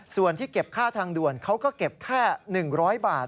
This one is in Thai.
ส่วนที่เก็บค่าทางด่วนเขาก็เก็บแค่๑๐๐บาท